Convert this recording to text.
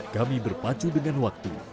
kami berpacu dengan waktu